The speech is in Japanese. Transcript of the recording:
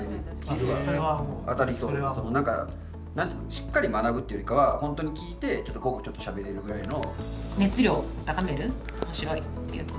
しっかり学ぶというよりかは本当に聞いて、ちょっと午後しゃべれるくらいの。